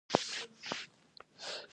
هندوکش د طبیعي زیرمو یوه برخه ده.